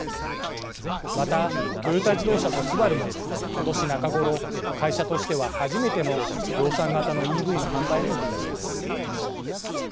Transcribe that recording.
またトヨタ自動車とＳＵＢＡＲＵもことし中頃会社としては初めての量産型のＥＶの販売に乗り出します。